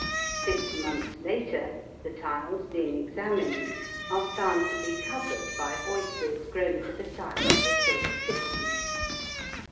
Six months later the tiles, being examined, are found to be covered by oysters grown to the size of a silver sixpence.